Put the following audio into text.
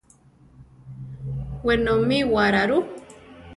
Wenomíwara rú?